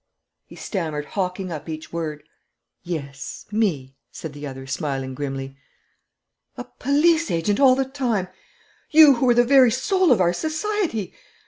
he stammered, hawking up each word. 'Yes, me,' said the other, smiling grimly. 'A police agent all the time! You who were the very soul of our society!